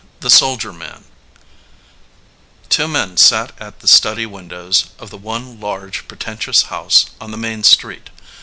THE SOLDIER MAN TWO men sat at the study windows of the one large, pretentious house on the main street.